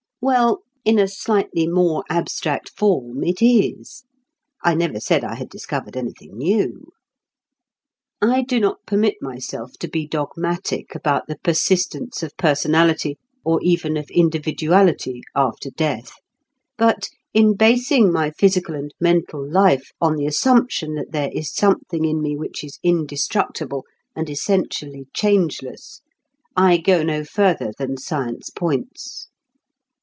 Well, in a slightly more abstract form, it is. (I never said I had discovered anything new.) I do not permit myself to be dogmatic about the persistence of personality, or even of individuality after death. But, in basing my physical and mental life on the assumption that there is something in me which is indestructible and essentially changeless, I go no further than science points.